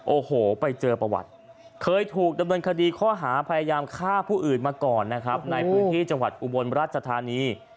โอ้โหไปเจอประวัติเคยถูกดำเนินคดีข้อหาพยายามฆ่าผู้อื่นมาก่อนนะครับในพื้นที่จังหวัดอุบลราชธานี